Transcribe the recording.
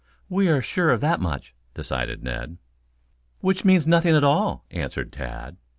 We are sure of that much," decided Ned. "Which means nothing at all," answered Tad.